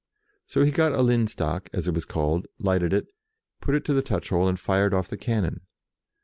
So he got a lin stock, as it was called, lighted it, put it to the touch hole, and fired off the cannon.